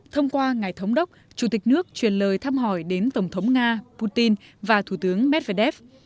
thông qua ngài thống đốc chủ tịch nước truyền lời thăm hỏi đến tổng thống nga putin và thủ tướng medvedev